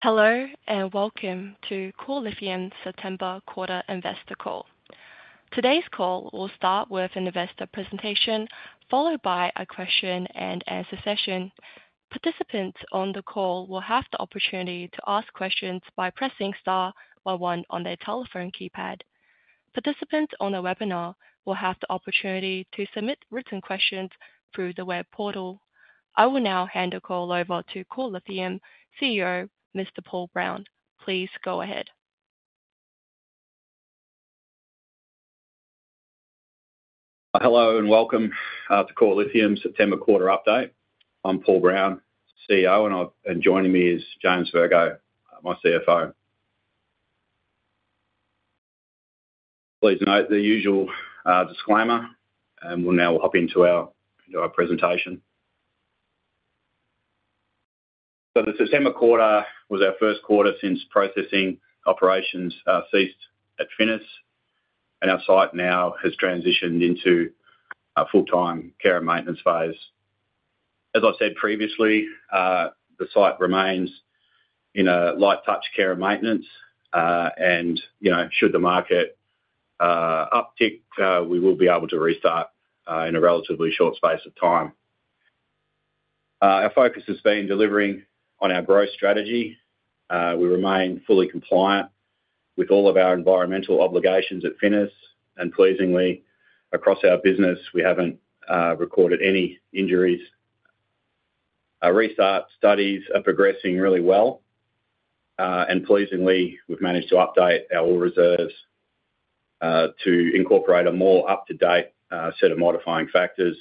Hello, and welcome to Core Lithium's September quarter investor call. Today's call will start with an investor presentation, followed by a question-and-answer session. Participants on the call will have the opportunity to ask questions by pressing star one on their telephone keypad. Participants on the webinar will have the opportunity to submit written questions through the web portal. I will now hand the call over to Core Lithium CEO, Mr. Paul Brown. Please go ahead. Hello, and welcome to Core Lithium's September quarter update. I'm Paul Brown, CEO, and joining me is James Virgo, my CFO. Please note the usual disclaimer, and we'll now hop into our presentation. The September quarter was our first quarter since processing operations ceased at Finniss, and our site now has transitioned into a full-time care and maintenance phase. As I've said previously, the site remains in a light-touch care and maintenance, and, you know, should the market uptick, we will be able to restart in a relatively short space of time. Our focus has been delivering on our growth strategy. We remain fully compliant with all of our environmental obligations at Finniss, and pleasingly, across our business, we haven't recorded any injuries. Our restart studies are progressing really well, and pleasingly, we've managed to update our ore reserves, to incorporate a more up-to-date, set of modifying factors.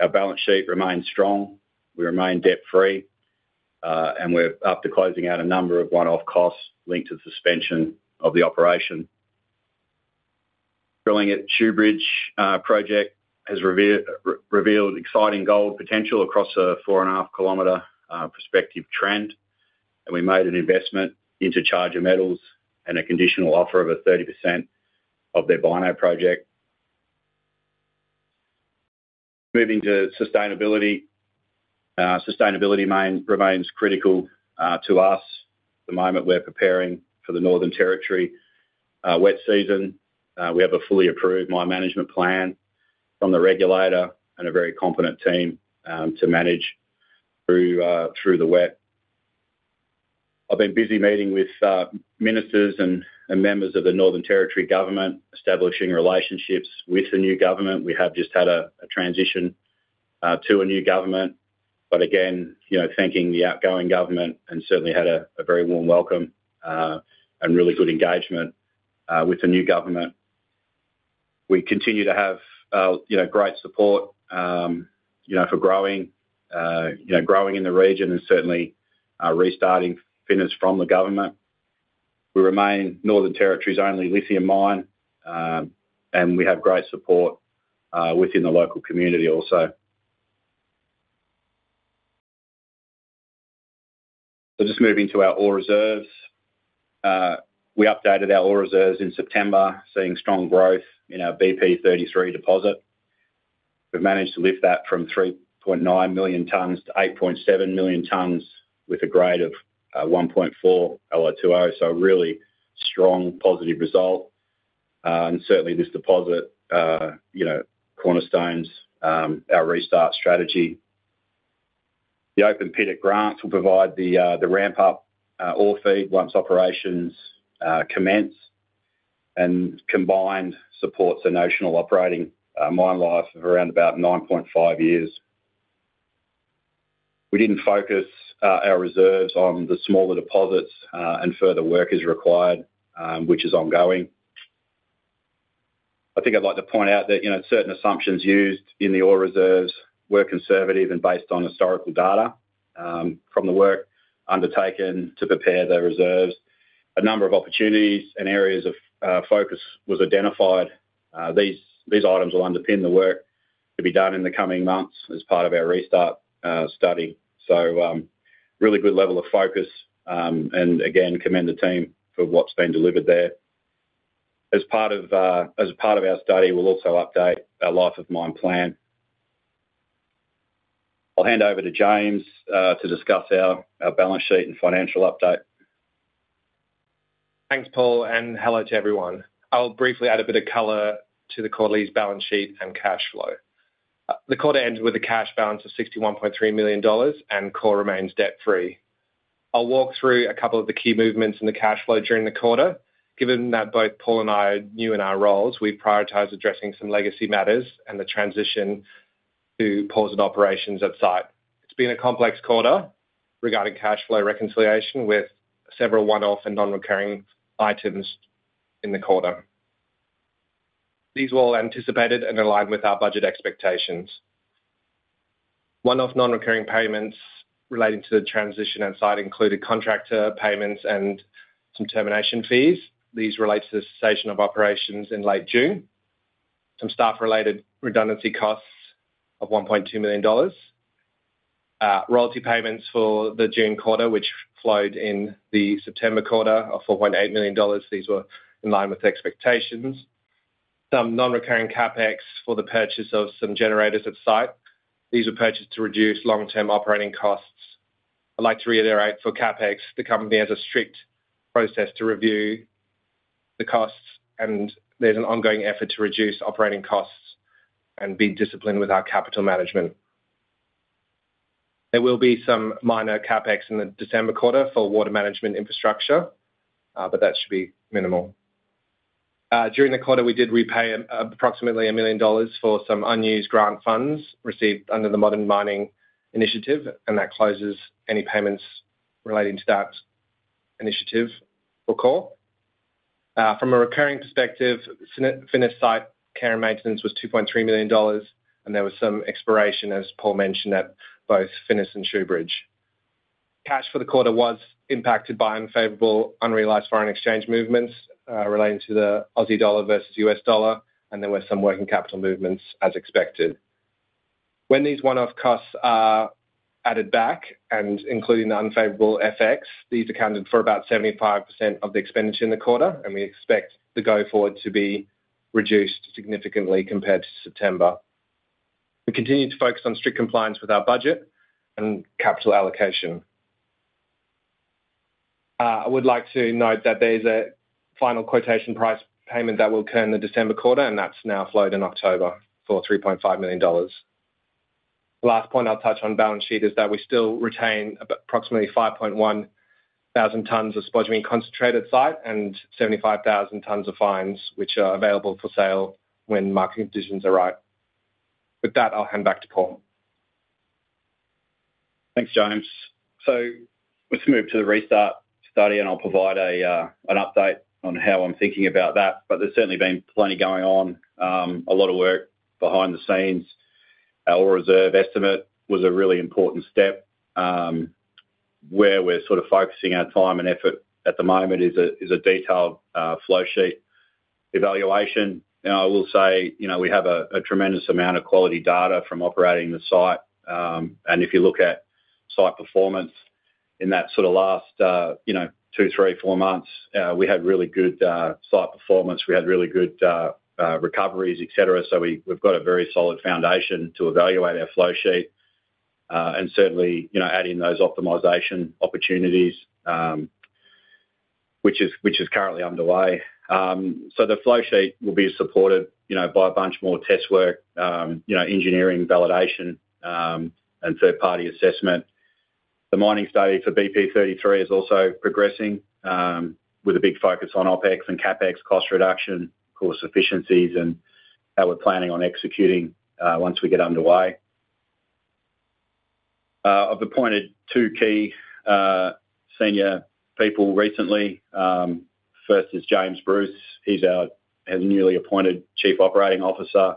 Our balance sheet remains strong. We remain debt-free, and we're up to closing out a number of one-off costs linked to the suspension of the operation. Drilling at Shoobridge Project has revealed exciting gold potential across a 4.5 km prospective trend, and we made an investment into Charger Metals and a conditional offer of a 30% of their Bynoe Project. Moving to sustainability. Sustainability remains critical to us. At the moment, we're preparing for the Northern Territory wet season. We have a fully approved mine management plan from the regulator and a very competent team to manage through the wet. I've been busy meeting with ministers and members of the Northern Territory government, establishing relationships with the new government. We have just had a transition to a new government, but again, you know, thanking the outgoing government, and certainly had a very warm welcome and really good engagement with the new government. We continue to have, you know, great support, you know, for growing in the region and certainly restarting Finniss from the government. We remain Northern Territory's only lithium mine and we have great support within the local community also. So just moving to our ore reserves. We updated our ore reserves in September, seeing strong growth in our BP33 deposit. We've managed to lift that from 3.9 million tonnes to 8.7 million tonnes, with a grade of 1.4% Li2O, so a really strong, positive result, and certainly this deposit, you know, cornerstones our restart strategy. The open pit at Grants will provide the ramp up ore feed once operations commence, and combined supports a notional operating mine life of around about 9.5 years. We didn't focus our reserves on the smaller deposits, and further work is required, which is ongoing. I think I'd like to point out that, you know, certain assumptions used in the ore reserves were conservative and based on historical data from the work undertaken to prepare the reserves. A number of opportunities and areas of focus was identified. These items will underpin the work to be done in the coming months as part of restart study. So, really good level of focus, and again, commend the team for what's been delivered there. As part of our study, we'll also update our life of mine plan. I'll hand over to James to discuss our balance sheet and financial update. Thanks, Paul, and hello to everyone. I'll briefly add a bit of color to the Core Lithium's balance sheet and cash flow. The quarter ended with a cash balance of 61.3 million dollars, and Core remains debt-free. I'll walk through a couple of the key movements in the cash flow during the quarter. Given that both Paul and I are new in our roles, we've prioritized addressing some legacy matters and the transition to paused operations at site. It's been a complex quarter regarding cash flow reconciliation, with several one-off and non-recurring items in the quarter. These were all anticipated and aligned with our budget expectations. One-off, non-recurring payments relating to the transition and site included contractor payments and some termination fees. These relate to the cessation of operations in late June. Some staff-related redundancy costs of 1.2 million dollars. Royalty payments for the June quarter, which flowed in the September quarter of 4.8 million dollars. These were in line with expectations. Some non-recurring CapEx for the purchase of some generators at site. These were purchased to reduce long-term operating costs. I'd like to reiterate, for CapEx, the company has a strict process to review the costs, and there's an ongoing effort to reduce operating costs and be disciplined with our capital management. There will be some minor CapEx in the December quarter for water management infrastructure, but that should be minimal. During the quarter, we did repay approximately 1 million dollars for some unused grant funds received under the Modern Mining Initiative, and that closes any payments relating to that initiative or call. From a recurring perspective, Finniss site care and maintenance was 2.3 million dollars, and there was some exploration, as Paul mentioned, at both Finniss and Shoobridge. Cash for the quarter was impacted by unfavorable, unrealized foreign exchange movements, relating to the Aussie dollar versus US dollar, and there were some working capital movements as expected. When these one-off costs are added back, and including the unfavorable FX, these accounted for about 75% of the expenditure in the quarter, and we expect the go-forward to be reduced significantly compared to September. We continue to focus on strict compliance with our budget and capital allocation. I would like to note that there's a final quotation price payment that will occur in the December quarter, and that's now flowed in October for 3.5 million dollars. The last point I'll touch on balance sheet is that we still retain approximately 5,100 tonnes of spodumene concentrate on site and 75,000 tonnes of fines, which are available for sale when market conditions are right. With that, I'll hand back to Paul. Thanks, James. So let's move to restart study, and I'll provide an update on how I'm thinking about that. But there's certainly been plenty going on, a lot of work behind the scenes. Our reserve estimate was a really important step. Where we're sort of focusing our time and effort at the moment is a detailed flow sheet evaluation. And I will say, you know, we have a tremendous amount of quality data from operating the site. And if you look at site performance in that sort of last, you know, two, three, four months, we had really good site performance. We had really good recoveries, et cetera. So we've got a very solid foundation to evaluate our flow sheet, and certainly, you know, add in those optimization opportunities, which is currently underway. So the flow sheet will be supported, you know, by a bunch more test work, you know, engineering, validation, and third-party assessment. The mining study for BP33 is also progressing, with a big focus on OpEx and CapEx cost reduction, cost efficiencies, and how we're planning on executing, once we get underway. I've appointed two key senior people recently. First is James Bruce. He's our newly appointed Chief Operating Officer.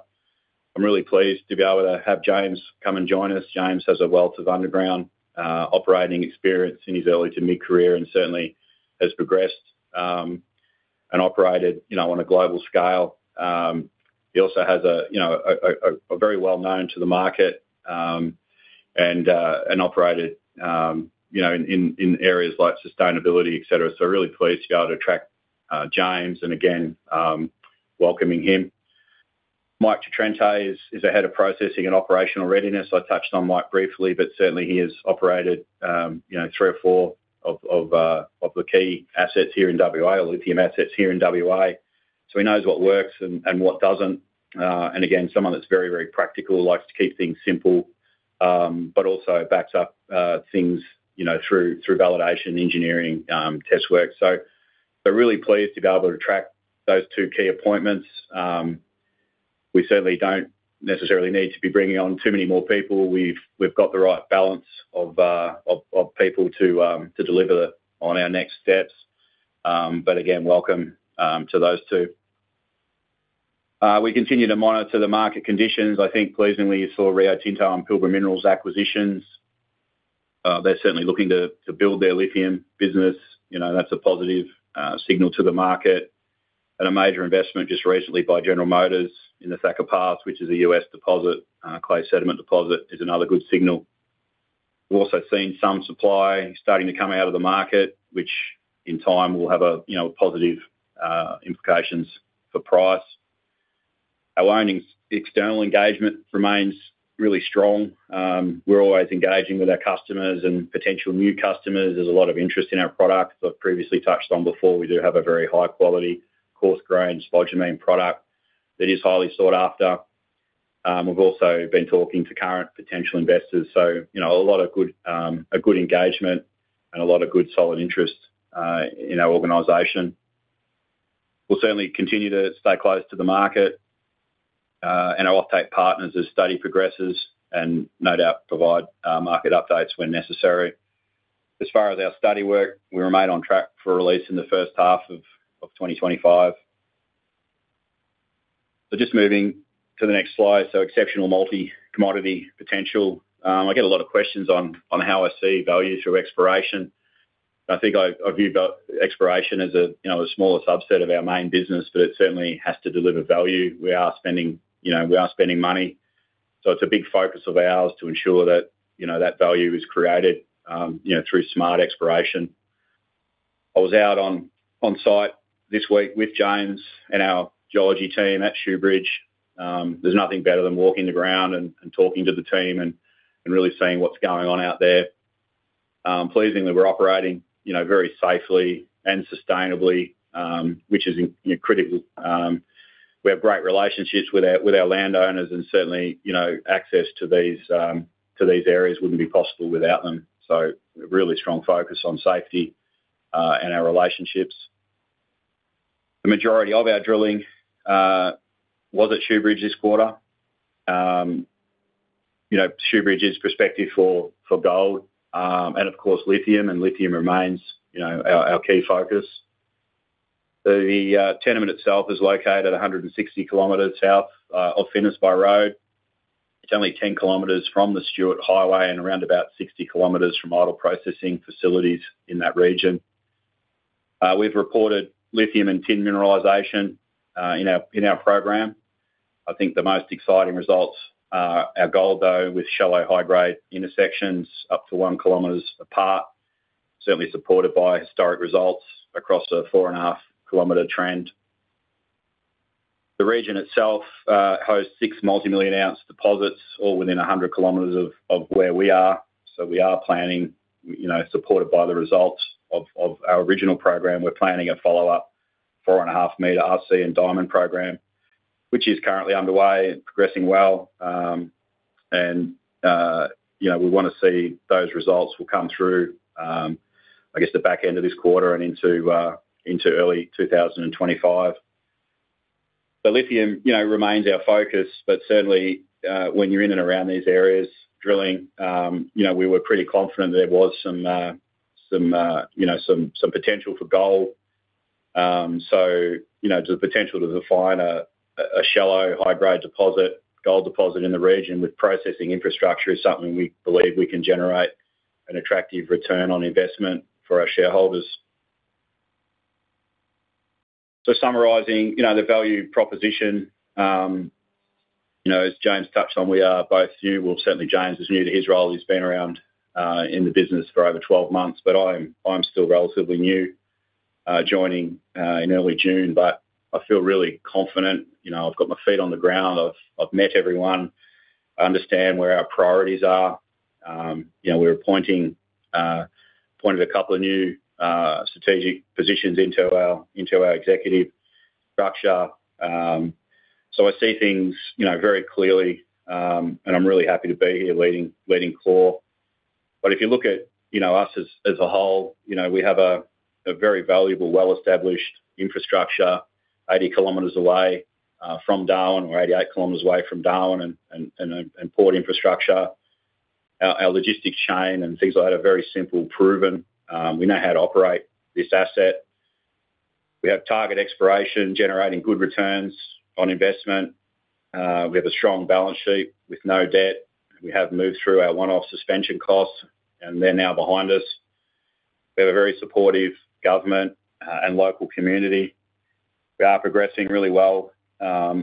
I'm really pleased to be able to have James come and join us. James has a wealth of underground operating experience in his early to mid-career, and certainly has progressed, and operated, you know, on a global scale. He also has a, you know, a very well known to the market, and operated, you know, in areas like sustainability, et cetera. So we're really pleased to be able to attract James, and again, welcoming him. Mike Di Trento is the Head of Processing and Operational Readiness. I touched on Mike briefly, but certainly he has operated, you know, three or four of the key assets here in WA, or lithium assets here in WA. So he knows what works and what doesn't. And again, someone that's very practical, likes to keep things simple, but also backs up things, you know, through validation, engineering, test work. So we're really pleased to be able to attract those two key appointments. We certainly don't necessarily need to be bringing on too many more people. We've got the right balance of people to deliver on our next steps. But again, welcome to those two. We continue to monitor the market conditions. I think pleasingly, you saw Rio Tinto and Pilbara Minerals acquisitions. They're certainly looking to build their lithium business. You know, that's a positive signal to the market. A major investment just recently by General Motors in the Thacker Pass, which is a U.S. deposit, clay sediment deposit, is another good signal. We've also seen some supply starting to come out of the market, which in time will have a positive implications for price. You know, Our ongoing external engagement remains really strong. We're always engaging with our customers and potential new customers. There's a lot of interest in our products. I've previously touched on before, we do have a very high quality, coarse-grained spodumene product that is highly sought after. We've also been talking to current potential investors, so, you know, a lot of good, a good engagement and a lot of good, solid interest in our organization. We'll certainly continue to stay close to the market and our offtake partners as study progresses, and no doubt provide market updates when necessary. As far as our study work, we remain on track for release in the first half of 2025. Just moving to the next slide. Exceptional multi-commodity potential. I get a lot of questions on how I see value through exploration. I think I view the exploration as a, you know, a smaller subset of our main business, but it certainly has to deliver value. We are spending, you know, we are spending money, so it's a big focus of ours to ensure that, you know, that value is created, you know, through smart exploration. I was out on site this week with James and our geology team at Shoobridge. There's nothing better than walking the ground and talking to the team and really seeing what's going on out there. Pleasingly, we're operating, you know, very safely and sustainably, which is, you know, critical. We have great relationships with our landowners, and certainly, you know, access to these areas wouldn't be possible without them. So a really strong focus on safety and our relationships. The majority of our drilling was at Shoobridge this quarter. You know, Shoobridge is prospective for gold and of course lithium, and lithium remains you know our key focus. The tenement itself is located a 160 km south of Finniss by road. It's only 10 km from the Stuart Highway and around about 60 km from ore processing facilities in that region. We've reported lithium and tin mineralization in our program. I think the most exciting results are our gold, though, with shallow, high-grade intersections up to 1 km apart, certainly supported by historic results across a 4.5 km trend. The region itself hosts six multimillion-ounce deposits, all within a 100 km of where we are. So we are planning, you know, supported by the results of our original program, we're planning a follow-up 4.5 m RC and diamond program, which is currently underway and progressing well. You know, we want to see those results will come through, I guess, the back end of this quarter and into early 2025. The lithium, you know, remains our focus, but certainly, when you're in and around these areas, drilling, you know, we were pretty confident there was some potential for gold. So you know, the potential to define a shallow, high-grade deposit, gold deposit in the region with processing infrastructure is something we believe we can generate an attractive return on investment for our shareholders. So, summarizing, you know, the value proposition, you know, as James touched on, we are both new. Well, certainly James is new to his role. He's been around in the business for over 12 months, but I'm still relatively new, joining in early June. But I feel really confident, you know. I've got my feet on the ground. I've met everyone. I understand where our priorities are. You know, we appointed a couple of new strategic positions into our executive structure. So, I see things, you know, very clearly, and I'm really happy to be here leading Core. But if you look at, you know, us as a whole, you know, we have a very valuable, well-established infrastructure, 80 km away from Darwin, or 88 km away from Darwin, and port infrastructure. Our logistics chain and things like that are very simple, proven. We know how to operate this asset. We have target exploration, generating good returns on investment. We have a strong balance sheet with no debt. We have moved through our one-off suspension costs, and they're now behind us. We have a very supportive government and local community. We are progressing really well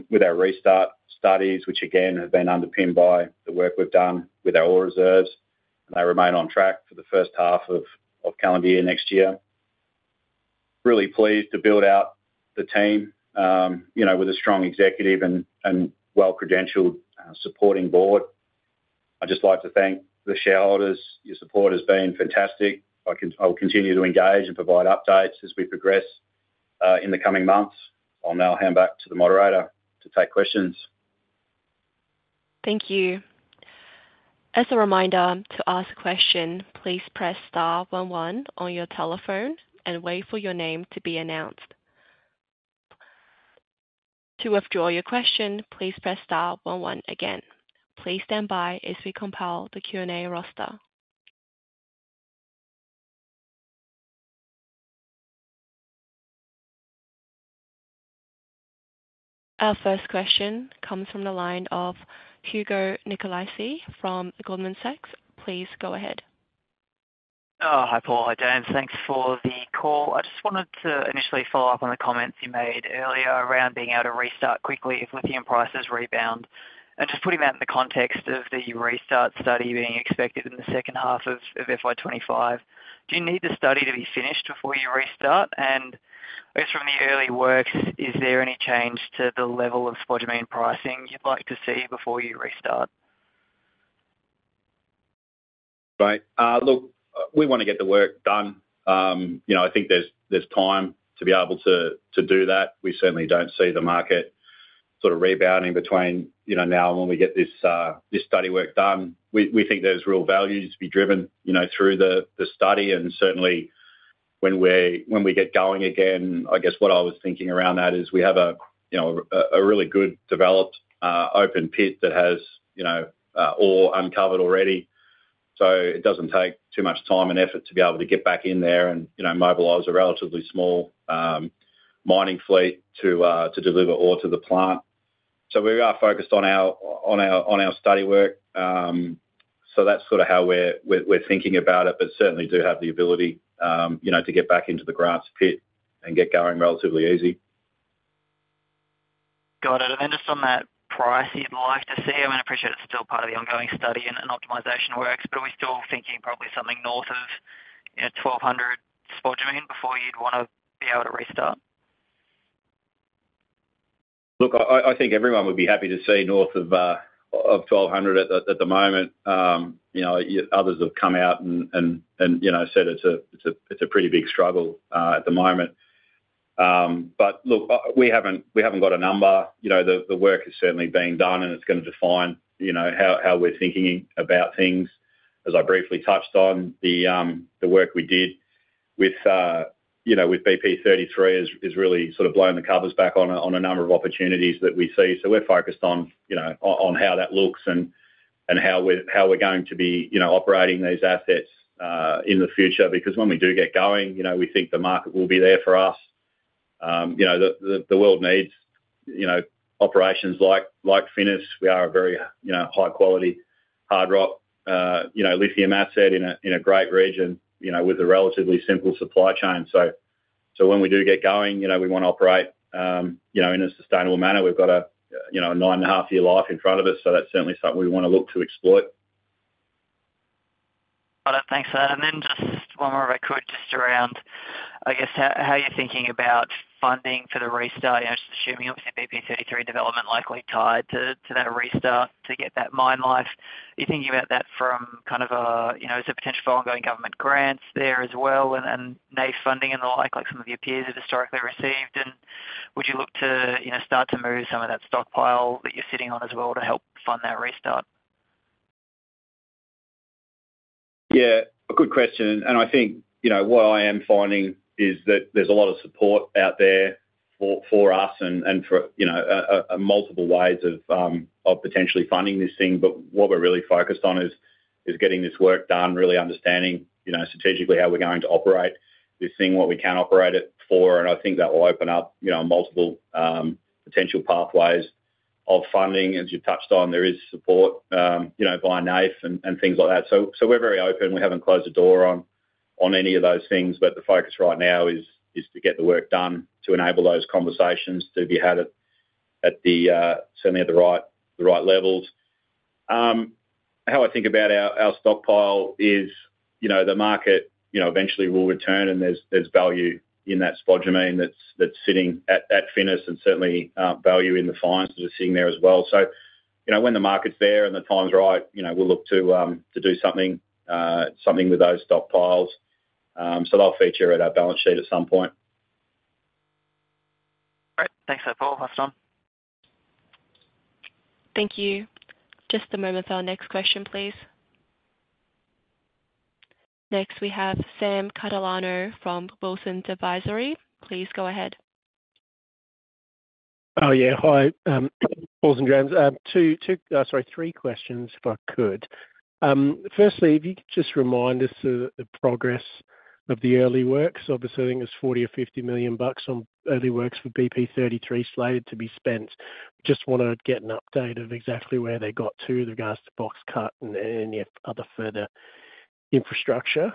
with our restart studies, which again, have been underpinned by the work we've done with our ore reserves, and they remain on track for the first half of calendar year next year. Really pleased to build out the team, you know, with a strong executive and well-credentialed, supporting board. I'd just like to thank the shareholders. Your support has been fantastic. I will continue to engage and provide updates as we progress in the coming months. I'll now hand back to the moderator to take questions. Thank you. As a reminder, to ask a question, please press star one one on your telephone and wait for your name to be announced. To withdraw your question, please press star one one again. Please stand by as we compile the Q&A roster. Our first question comes from the line of Hugo Nicolaci from Goldman Sachs. Please go ahead. Hi, Paul. Hi, James. Thanks for the call. I just wanted to initially follow-up on the comments you made earlier around being able to restart quickly if lithium prices rebound, and just putting that in the context of the restart study being expected in the second half of FY 2025. Do you need the study to be finished before you restart? And I guess from the early works, is there any change to the level of spodumene pricing you'd like to see before you restart? Right. Look, we want to get the work done. You know, I think there's time to be able to do that. We certainly don't see the market sort of rebounding between, you know, now and when we get this, this study work done. We think there's real value to be driven, you know, through the study, and certainly when we get going again. I guess what I was thinking around that is we have a, you know, a really good, developed open pit that has, you know, ore uncovered already. So it doesn't take too much time and effort to be able to get back in there and, you know, mobilize a relatively small mining fleet to deliver ore to the plant. So we are focused on our study work. So that's sort of how we're thinking about it, but certainly do have the ability, you know, to get back into the Grants pit and get going relatively easy.... Got it, and then just on that price you'd like to see, I mean, I appreciate it's still part of the ongoing study and optimization works, but are we still thinking probably something north of, you know, 1,200 spodumene before you'd wanna be able to restart? Look, I think everyone would be happy to see north of 1,200 at the moment. You know, others have come out and said it's a pretty big struggle at the moment. But look, we haven't got a number. You know, the work is certainly being done, and it's gonna define how we're thinking about things. As I briefly touched on, the work we did with BP33 is really sort of blowing the covers back on a number of opportunities that we see. So we're focused on how that looks and how we're going to be operating these assets in the future. Because when we do get going, you know, we think the market will be there for us. You know, the world needs, you know, operations like Finniss. We are a very, you know, high quality, hard rock, you know, lithium asset in a great region, you know, with a relatively simple supply chain. So when we do get going, you know, we wanna operate, you know, in a sustainable manner. We've got a, you know, a nine-and-a-half-year life in front of us, so that's certainly something we wanna look to exploit. Got it. Thanks for that, and then just one more, if I could, just around, I guess, how you're thinking about funding for the restart? You know, just assuming obviously BP33 development likely tied to that restart to get that mine life. Are you thinking about that from kind of a, you know, is there potential for ongoing government grants there as well and NAIF funding and the like, like some of your peers have historically received, and would you look to, you know, start to move some of that stockpile that you're sitting on as well to help fund that restart? Yeah, a good question, and I think, you know, what I am finding is that there's a lot of support out there for us and for, you know, multiple ways of potentially funding this thing. But what we're really focused on is getting this work done, really understanding, you know, strategically how we're going to operate this thing, what we can operate it for, and I think that will open up, you know, multiple potential pathways of funding. As you touched on, there is support, you know, via NAIF and things like that. So we're very open. We haven't closed the door on any of those things, but the focus right now is to get the work done to enable those conversations to be had certainly at the right levels. How I think about our stockpile is, you know, the market, you know, eventually will return, and there's value in that spodumene that's sitting at Finniss and certainly value in the fines that are sitting there as well. So, you know, when the market's there and the time's right, you know, we'll look to do something with those stockpiles. So they'll feature at our balance sheet at some point. Great. Thanks for that, Paul. That's done. Thank you. Just a moment for our next question, please. Next, we have Sam Catalano from Wilsons Advisory. Please go ahead. Oh, yeah. Hi, Paul and James. Sorry, three questions, if I could. Firstly, if you could just remind us of the progress of the early works. Obviously, I think there's 40 million or 50 million bucks on early works for BP33 slated to be spent. Just wanna get an update of exactly where they got to with regards to box cut and any other further infrastructure?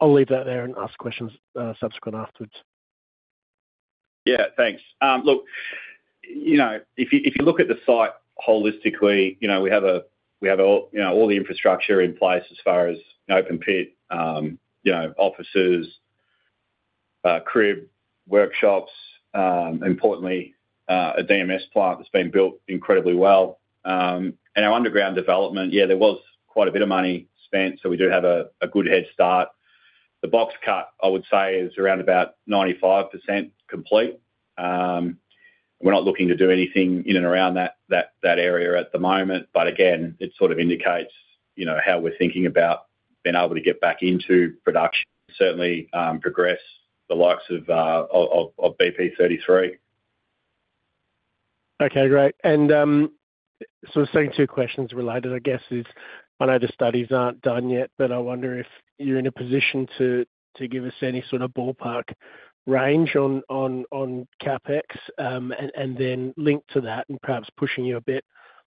I'll leave that there and ask questions subsequent afterwards. Yeah, thanks. Look, you know, if you look at the site holistically, you know, we have all, you know, all the infrastructure in place as far as open pit, you know, offices, crib, workshops, importantly, a DMS plant that's been built incredibly well. And our underground development, yeah, there was quite a bit of money spent, so we do have a good head start. The box cut, I would say, is around about 95% complete. We're not looking to do anything in and around that area at the moment, but again, it sort of indicates, you know, how we're thinking about being able to get back into production. Certainly, progress the likes of BP33. Okay, great. And so the second two questions related, I guess, is, I know the studies aren't done yet, but I wonder if you're in a position to give us any sort of ballpark range on CapEx? And then linked to that, and perhaps pushing you a bit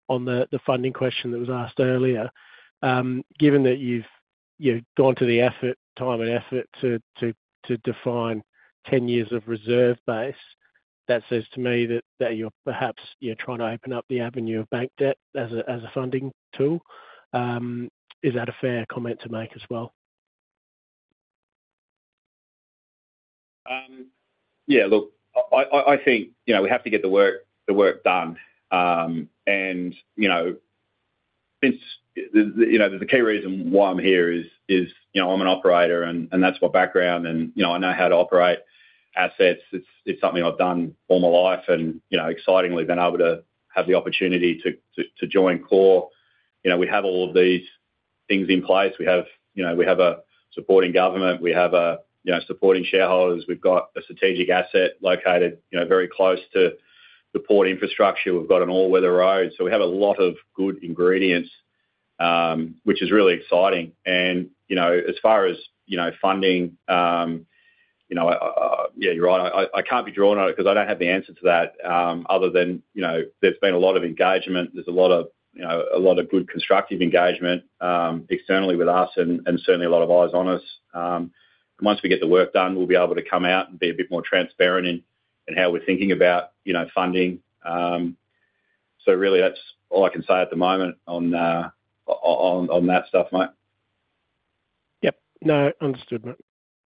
on the funding question that was asked earlier, given that you've gone to the effort, time and effort to define 10 years of reserve base, that says to me that you're perhaps trying to open up the avenue of bank debt as a funding tool. Is that a fair comment to make as well? Yeah, look, I think, you know, we have to get the work done. And, you know, it's the key reason why I'm here is, you know, I'm an operator and that's my background and, you know, I know how to operate assets. It's something I've done all my life and, you know, excitingly been able to have the opportunity to join Core. You know, we have all of these things in place. We have, you know, a supporting government. We have a, you know, supporting shareholders. We've got a strategic asset located, you know, very close to the port infrastructure. We've got an all-weather road. So we have a lot of good ingredients, which is really exciting. You know, as far as funding, you know, yeah, you're right. I can't be drawn on it 'cause I don't have the answer to that, other than, you know, there's been a lot of engagement. There's a lot of, you know, a lot of good constructive engagement externally with us and certainly a lot of eyes on us. Once we get the work done, we'll be able to come out and be a bit more transparent in how we're thinking about, you know, funding. So really that's all I can say at the moment on that stuff, mate. Yep. No, understood, mate.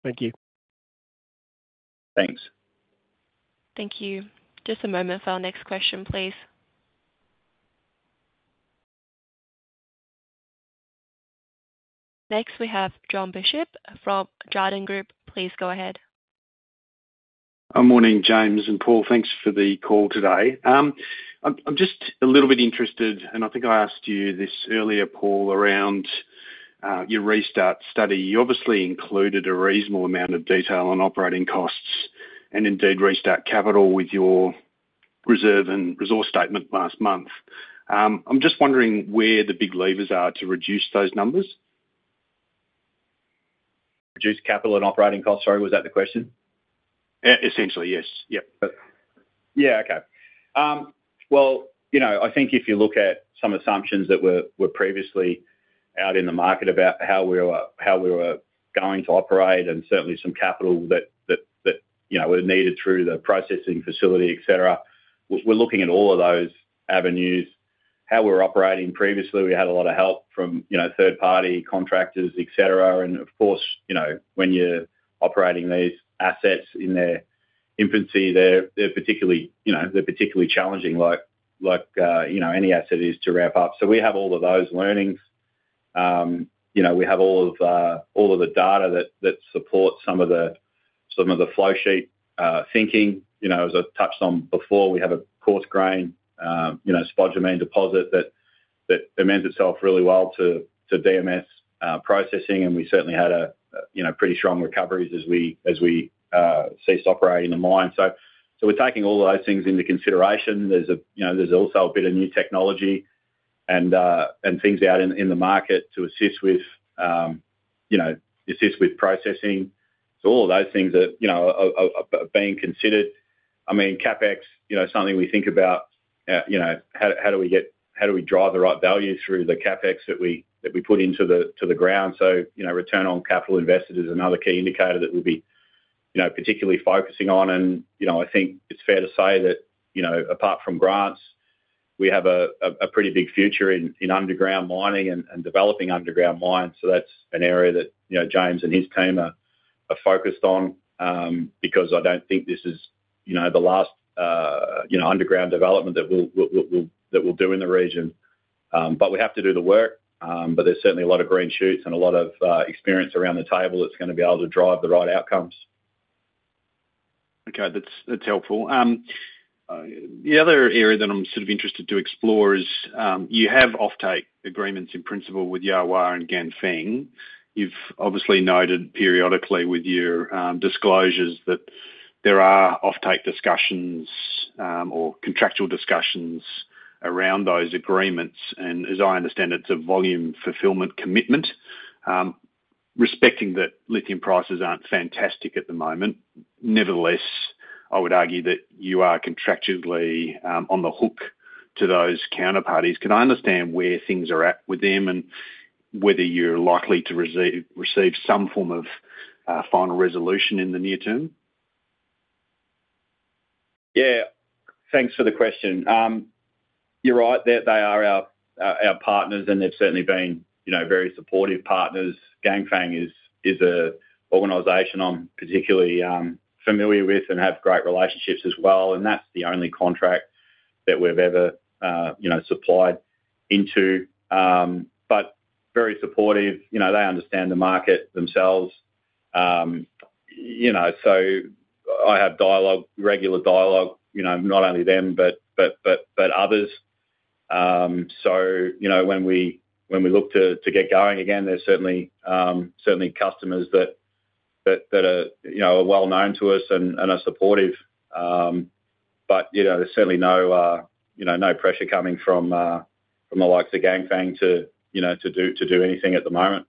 Thank you. Thanks. Thank you. Just a moment for our next question, please. Next, we have Jon Bishop from Jarden. Please go ahead. Morning, James and Paul. Thanks for the call today. I'm just a little bit interested, and I think I asked you this earlier, Paul, around restart study. You obviously included a reasonable amount of detail on operating costs and indeed restart capital with your reserve and resource statement last month. I'm just wondering where the big levers are to reduce those numbers? Reduce capital and operating costs, sorry, was that the question? Essentially, yes. Yep. Yeah, okay. Well, you know, I think if you look at some assumptions that were previously out in the market about how we were going to operate, and certainly some capital that were needed through the processing facility, et cetera. We're looking at all of those avenues, how we were operating. Previously, we had a lot of help from, you know, third party contractors, et cetera. And of course, you know, when you're operating these assets in their infancy, they're particularly challenging, like you know any asset is to ramp up. So we have all of those learnings. You know, we have all of the data that supports some of the flow sheet thinking. You know, as I've touched on before, we have a coarse grain, you know, spodumene deposit that lends itself really well to DMS processing, and we certainly had a, you know, pretty strong recoveries as we ceased operating the mine. So we're taking all of those things into consideration. There's a, you know, there's also a bit of new technology and things out in the market to assist with processing. So all of those things are, you know, being considered. I mean, CapEx, you know, is something we think about. You know, how do we drive the right value through the CapEx that we put into the ground? You know, return on capital invested is another key indicator that we'll be, you know, particularly focusing on. You know, I think it's fair to say that, you know, apart from Grants, we have a pretty big future in underground mining and developing underground mines. That's an area that, you know, James and his team are focused on, because I don't think this is, you know, the last underground development that we'll do in the region. But we have to do the work, but there's certainly a lot of green shoots and a lot of experience around the table that's gonna be able to drive the right outcomes. Okay. That's helpful. The other area that I'm sort of interested to explore is you have offtake agreements in principle with Yahua and Ganfeng. You've obviously noted periodically with your disclosures that there are offtake discussions or contractual discussions around those agreements, and as I understand, it's a volume fulfillment commitment. Respecting that lithium prices aren't fantastic at the moment, nevertheless, I would argue that you are contractually on the hook to those counterparties. Can I understand where things are at with them and whether you're likely to receive some form of final resolution in the near term? Yeah. Thanks for the question. You're right, that they are our partners, and they've certainly been, you know, very supportive partners. Ganfeng is a organization I'm particularly familiar with and have great relationships as well, and that's the only contract that we've ever supplied into. But very supportive. You know, they understand the market themselves. So, you know, I have dialogue, regular dialogue, you know, not only them, but others. So, you know, when we look to get going again, there's certainly customers that are well known to us and are supportive. But, you know, there's certainly no pressure coming from the likes of Ganfeng to do anything at the moment.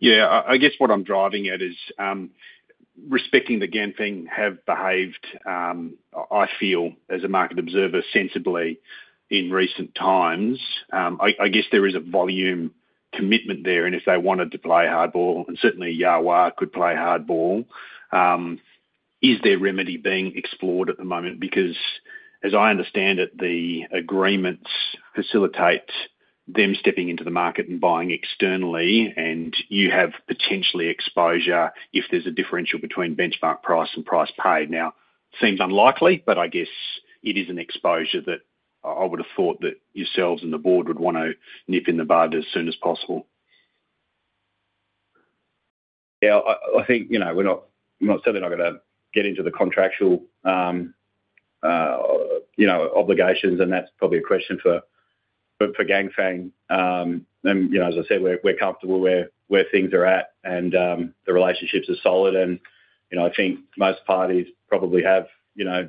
Yeah, I guess what I'm driving at is, respecting the Ganfeng have behaved, I feel, as a market observer, sensibly in recent times. I guess there is a volume commitment there, and if they wanted to play hardball, and certainly Yahua could play hardball, is there remedy being explored at the moment? Because as I understand it, the agreements facilitate them stepping into the market and buying externally, and you have potentially exposure if there's a differential between benchmark price and price paid. Now, seems unlikely, but I guess it is an exposure that I would have thought that yourselves and the board would wanna nip in the bud as soon as possible. Yeah, I think, you know, we're not. I'm certainly not gonna get into the contractual, you know, obligations, and that's probably a question for Ganfeng. And, you know, as I said, we're comfortable where things are at, and the relationships are solid, and, you know, I think most parties probably have, you know,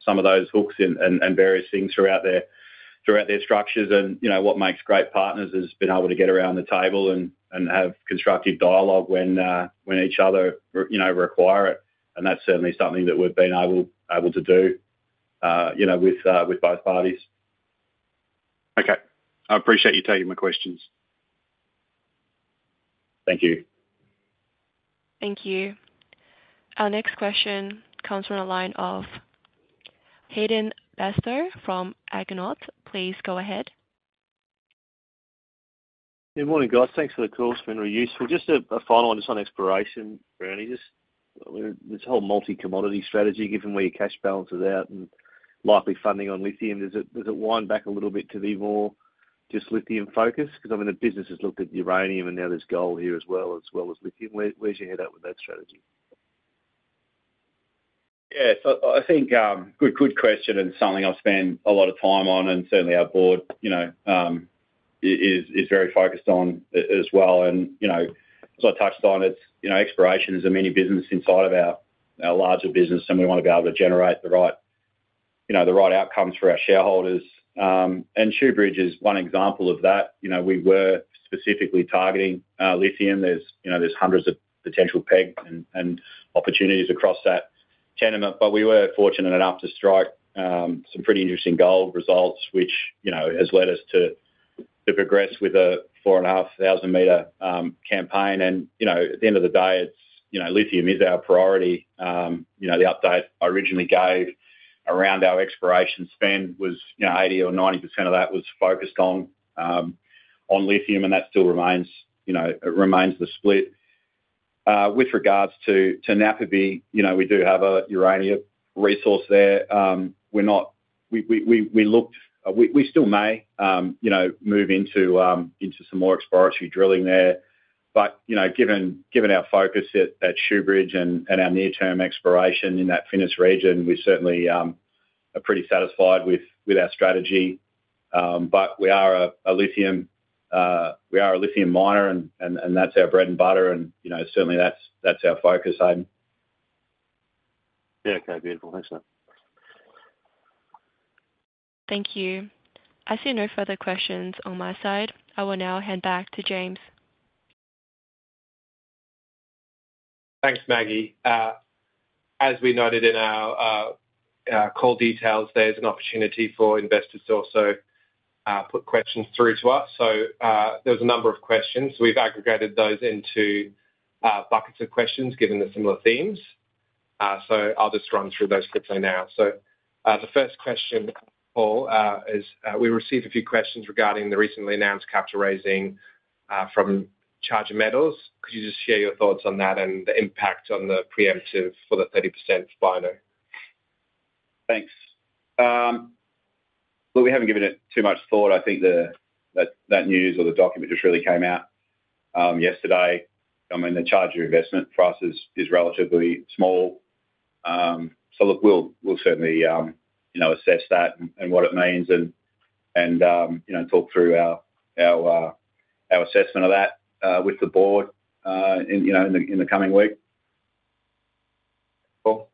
some of those hooks and various things throughout their structures. And, you know, what makes great partners is being able to get around the table and have constructive dialogue when each other require it, and that's certainly something that we've been able to do, you know, with both parties. Okay. I appreciate you taking my questions.... Thank you. Thank you. Our next question comes from the line of Hayden Bairstow from Argonaut. Please go ahead. Good morning, guys. Thanks for the call. It's been really useful. Just a final one, just on exploration, please? Just this whole multi-commodity strategy, given where your cash balance is at and likely funding on lithium, does it wind back a little bit to be more just lithium focused? 'Cause I mean, the business has looked at uranium, and now there's gold here as well as lithium. Where's your head at with that strategy? Yeah. So I think good, good question, and something I've spent a lot of time on, and certainly our board, you know, is very focused on as well. And, you know, as I touched on, it's, you know, exploration is a mini business inside of our larger business, and we want to be able to generate the right, you know, the right outcomes for our shareholders. And Shoobridge is one example of that. You know, we were specifically targeting lithium. There's, you know, there's hundreds of potential peg and opportunities across that tenement, but we were fortunate enough to strike some pretty interesting gold results, which, you know, has led us to progress with a 4,500 m campaign. And, you know, at the end of the day, it's... You know, lithium is our priority. You know, the update I originally gave around our exploration spend was, you know, 80% or 90% of that was focused on lithium, and that still remains, you know, it remains the split. With regards to Napperby, you know, we do have a uranium resource there. We're not. We looked. We still may, you know, move into some more exploratory drilling there, but, you know, given our focus at Shoobridge and our near-term exploration in that Finniss region, we certainly are pretty satisfied with our strategy. But we are a lithium miner, and that's our bread and butter, and, you know, certainly that's our focus, Hayden. Yeah, okay. Beautiful. Thanks, then. Thank you. I see no further questions on my side. I will now hand back to James. Thanks, Maggie. As we noted in our call details, there's an opportunity for investors to also put questions through to us. So, there's a number of questions. We've aggregated those into buckets of questions, given the similar themes. So, I'll just run through those quickly now. So, the first question, Paul, is we received a few questions regarding the recently announced capital raising from Charger Metals. Could you just share your thoughts on that and the impact on the preemptive for the 30% on Bynoe? Thanks. Well, we haven't given it too much thought. I think that news or the document just really came out yesterday. I mean, the Charger investment price is relatively small. So look, we'll certainly you know, assess that and what it means, and you know, talk through our assessment of that with the board in the coming week. Cool.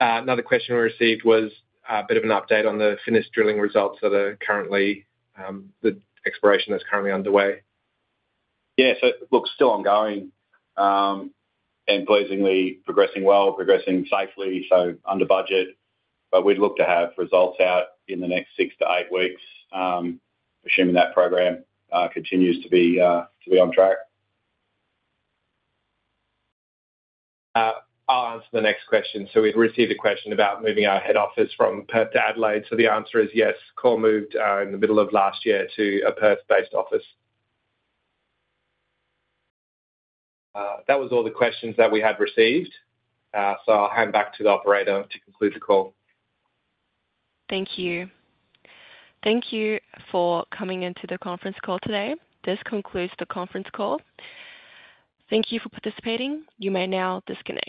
Another question we received was a bit of an update on the Finniss drilling results that are currently the exploration that's currently underway. Yeah. So look, still ongoing, and pleasingly progressing well, progressing safely, so under budget, but we'd look to have results out in the next six to eight weeks, assuming that program continues to be on track. I'll answer the next question. So we've received a question about moving our head office from Perth to Adelaide. So the answer is yes, Core moved in the middle of last year to a Perth-based office. That was all the questions that we had received, so I'll hand back to the operator to conclude the call. Thank you. Thank you for coming into the conference call today. This concludes the conference call. Thank you for participating. You may now disconnect.